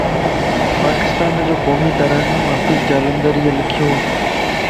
پاڪستانَ جو قومي ترانو حفيظ جالندھريءَ لکيووَ